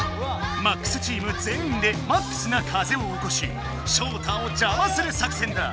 ＭＡＸチーム全員でＭＡＸな風をおこしショウタをじゃまする作戦だ！